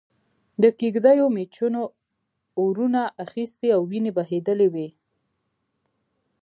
د کېږدیو مېچنو اورونه اخستي او وينې بهېدلې وې.